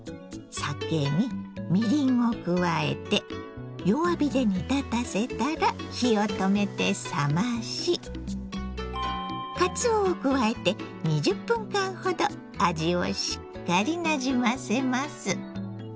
酒にみりんを加えて弱火で煮立たせたら火を止めて冷ましかつおを加えて２０分間ほど味をしっかりなじませます。